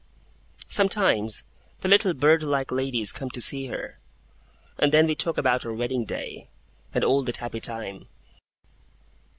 Sometimes, the little bird like ladies come to see her; and then we talk about our wedding day, and all that happy time.